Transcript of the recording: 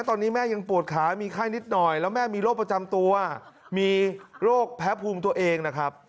ตอนนี้แม่ยังปวดขามีไข้นิดหน่อยแล้วแม่มีโรคประจำตัวมีโรคแพ้ภูมิตัวเองนะครับ